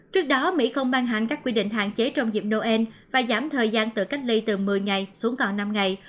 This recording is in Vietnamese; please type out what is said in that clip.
trước đó mỹ không ban hành các quy định hạn chế trong dịp noel và giảm thời gian tự cách ly từ một mươi ngày xuống còn năm ngày